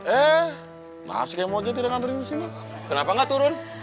eh masih mau jadi dengan berusia kenapa enggak turun